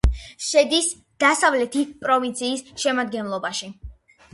შედის დასავლეთი პროვინციის შემადგენლობაში.